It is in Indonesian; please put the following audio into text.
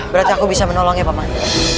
berarti aku bisa menolong ya paman